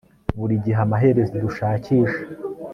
Buri gihe amaherezo dushakisha